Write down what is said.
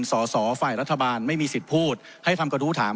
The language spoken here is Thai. สอสอฝ่ายรัฐบาลไม่มีสิทธิ์พูดให้ทำกระทู้ถาม